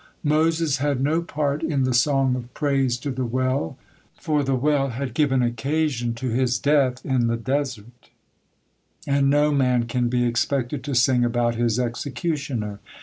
Moses had no part in the song of praise to the well, for the well had given occasion to his death in the desert, and no man can be expected to sing about his executioner.